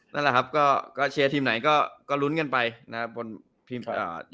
นั่นแหละครับก็เชียร์ทีมไหนก็รุ้นกันไปนะครับ